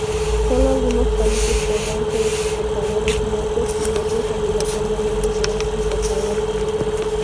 Sólo algunos países podrán ser exportadores netos y otros, obligatoriamente serán importadores netos.